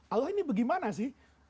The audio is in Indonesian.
allah ini bagaimana sih